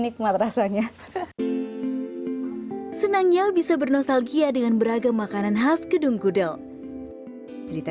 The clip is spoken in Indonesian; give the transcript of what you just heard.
nikmat rasanya senangnya bisa bernostalgia dengan beragam makanan khas kedung gudel cerita